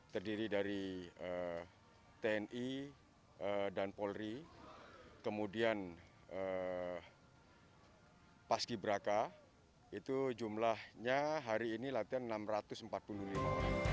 terdiri dari tni dan polri kemudian paski braka itu jumlahnya hari ini latihan enam ratus empat puluh lima orang